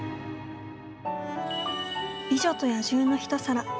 「美女と野獣」のひと皿。